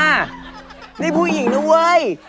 ไม่ได้ผู้หญิงนะเว้ย